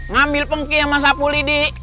ngambil pengki sama sapuli nih